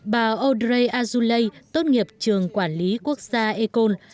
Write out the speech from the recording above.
bà audrey azoulay tốt nghiệp trường quản lý quốc gia ecole